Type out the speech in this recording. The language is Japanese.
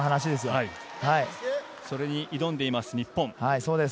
それに挑んでいます、日本。